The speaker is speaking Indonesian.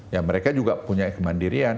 ya mereka juga punya kemandirian